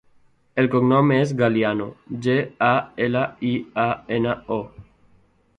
El cognom és Galiano: ge, a, ela, i, a, ena, o.